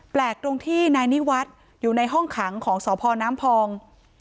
แปลกตรงที่นายนิวัฒน์อยู่ในห้องขังของสพน้ำพอง